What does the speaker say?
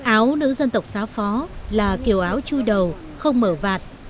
áo nữ dân tộc xá phó là kiều áo chui đầu không mở vạt